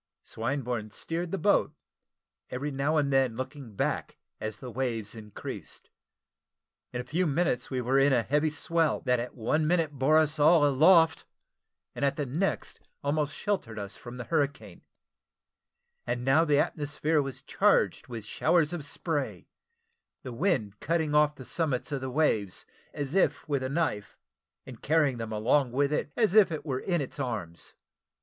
Swinburne steered the boat, every now and then looking back as the waves increased. In a few minutes we were in a heavy swell, that at one minute bore us all aloft, and at the next almost sheltered us from the hurricane: and now the atmosphere was charged with showers of spray, the wind cutting off the summits of the waves, as if with a knife, and carrying them along with it as it were in its arms.